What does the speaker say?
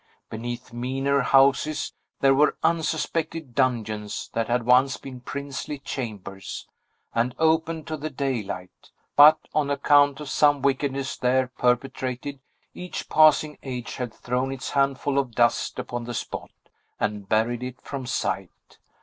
Beneath meaner houses there were unsuspected dungeons that had once been princely chambers, and open to the daylight; but, on account of some wickedness there perpetrated, each passing age had thrown its handful of dust upon the spot, and buried it from sight.